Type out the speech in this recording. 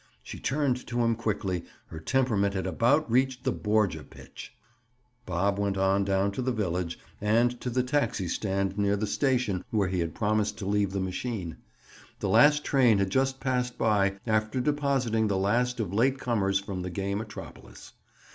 She turned to him quickly. Her temperament had about reached the Borgia pitch. Bob went on down to the village and to the taxi stand near the station where he had promised to leave the machine. The last train had just passed by, after depositing the last of late comers from the gay metropolis.